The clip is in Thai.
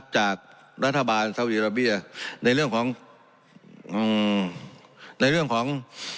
จากรัฐบาลสาวิดีโอราเบียในเรื่องของ